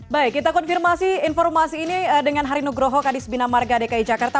baik kita konfirmasi informasi ini dengan hari nugroho kadis bina marga dki jakarta